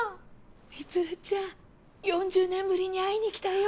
充ちゃん４０年ぶりに会いに来たよ！